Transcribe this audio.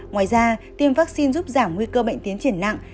ngoài ra tiêm vaccine giúp giảm nguy cơ bệnh tiến triển nặng